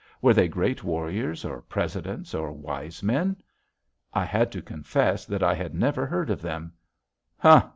Were they great warriors, or presidents, or wise men?" I had to confess that I had never heard of them. "Huh!"